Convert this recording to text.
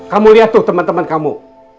kamu lihat tuh teman teman kamu